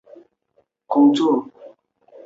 她决定向自己妈妈拿些钱